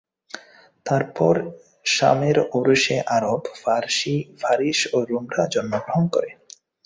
তারপর সামের ঔরসে আরব, ফারিস ও রূমরা জন্মগ্রহণ করে।